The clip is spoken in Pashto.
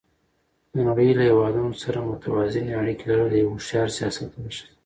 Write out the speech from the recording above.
د نړۍ له هېوادونو سره متوازنې اړیکې لرل د یو هوښیار سیاست نښه ده.